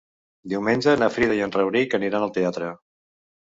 Diumenge na Frida i en Rauric aniran al teatre.